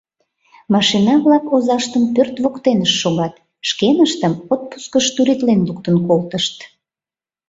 Машина-влак озаштын пӧрт воктенышт шогат, шкеныштым отпускыш туритлен луктын колтышт.